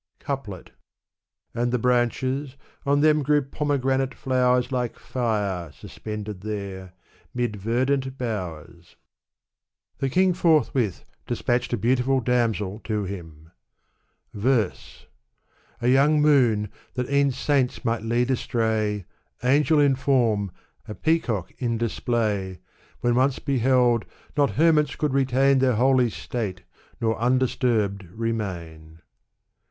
Couplet And the branches — on them grew pomegranate flowers Like fire, suspended there, mid verdant bowers. Digitized by Google ^\^^E^^s^^^^;^^^^m m 282 Sa'di. The king forthwith despatched a beautiful damsel to him. Fitrse. A young moon that e'en saints might lead astray, Angel in form, a peacock in display. When once beheld, not hermits could retain Their holy state, nor undisturbed remain.